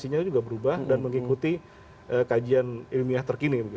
dan teknologi juga berubah dan mengikuti kajian ilmiah terkini